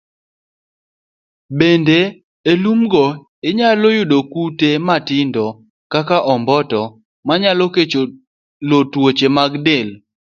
Bende, e lumgo, inyalo yudo kute matindo kaka omboto, manyalo kelo tuoche mag del.